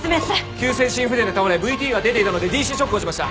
急性心不全で倒れＶＴが出ていたのでＤＣショックをしました。